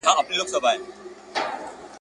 سالم ذهنیت ستاسو د کار کیفیت لوړوي.